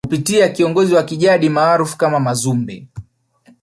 kupitia kiongozi wa kijadi maarufu kama Mazumbe